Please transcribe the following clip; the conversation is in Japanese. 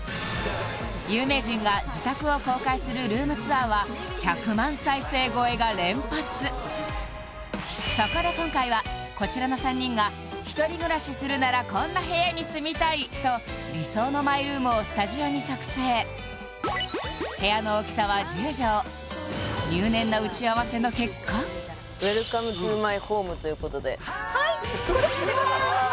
有名人が自宅を公開するルームツアーは１００万再生超えが連発そこで今回はこちらの３人が「１人暮らしするならこんな部屋に住みたい！」と理想のマイルームをスタジオに作製部屋の大きさは１０畳の結果ということではい